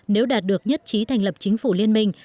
nếu đạt được nhất trí thành lập chính phủ liên minh